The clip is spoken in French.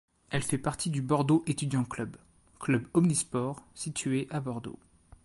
Elle fait partie du Bordeaux étudiants club, club omnisports, situé à Bordeaux.